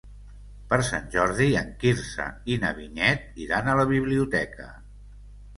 Per Sant Jordi en Quirze i na Vinyet iran a la biblioteca.